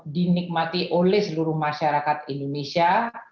dinikmati oleh seluruh masyarakat indonesia